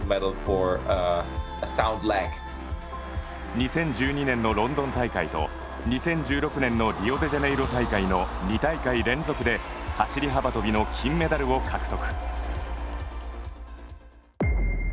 ２０１２年のロンドン大会と２０１６年のリオデジャネイロ大会の２大会連続で走り幅跳びの金メダルを獲得。